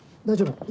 大丈夫？